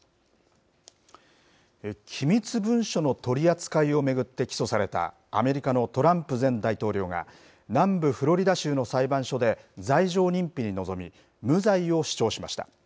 機密文書の取り扱いを巡って起訴された、アメリカのトランプ前大統領が、南部フロリダ州の裁判所で、罪状認否に臨み、無罪を主張しました。